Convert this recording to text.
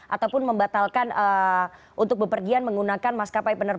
ataupun membatalkan untuk bepergian menggunakan maskapai penerbangan